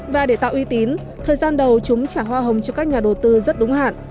và để tạo uy tín thời gian đầu chúng trả hoa hồng cho các nhà đầu tư rất đúng hạn